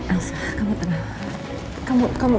elsa kamu tenang